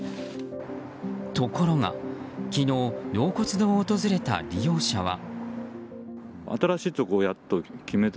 ところが昨日納骨堂を訪れた利用者は。